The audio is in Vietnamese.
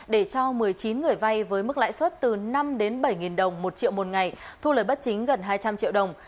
để cho một mươi chín người vay với mức lãi suất từ năm bảy đồng một triệu một ngày thu lời bất chính gần hai trăm linh triệu đồng